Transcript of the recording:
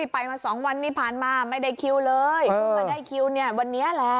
ไปมา๒วันนี้ผ่านมาไม่ได้คิวเลยเพิ่งมาได้คิวเนี่ยวันนี้แหละ